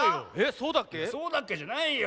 そうだっけじゃないよ。